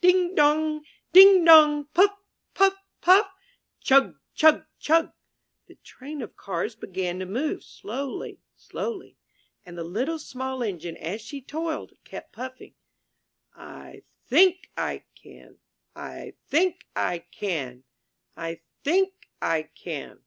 Ding, dong! ding, dong! Puff, puff, puff! Chug, chug, chug ! The Train of Cars began to move, slowly, slowly. And the Little, Small Engine as she toiled, kept puffing: 198 IN THE NURSERY "I — think — I — can ! I — think — I — can ! I — think — I — can!'